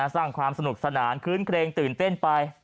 สร้างความสนุกสนานคื้นเครงตื่นเต้นไป